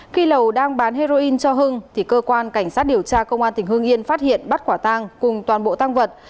khi lầu đang bán heroin cho hưng thì cơ quan cảnh sát điều tra công an tỉnh hương yên phát hiện bắt quả tang cùng toàn bộ tăng vật